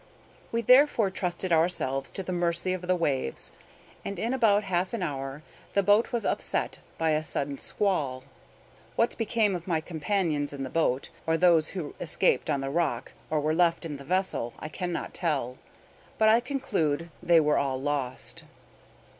We therefore trusted ourselves to the mercy of the waves; and in about half an hour the boat was upset by a sudden squall. What became of my companions in the boat, or those who escaped on the rock or were left in the vessel, I cannot tell; but I conclude they were all lost.